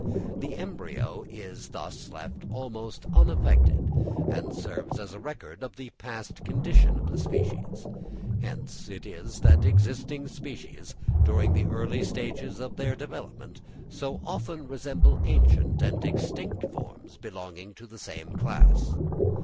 The embryo is thus left almost unaffected, and serves as a record of the past condition of the species. Hence it is that existing species during the early stages of their development so often resemble ancient and extinct forms belonging to the same class.